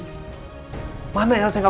mana ya yang aku kenal dulu di lapas